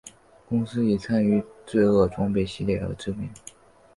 公司以参与罪恶装备系列而知名。